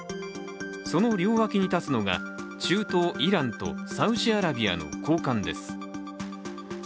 その両脇に立つのが中東イランとサウジアラビアの高官です。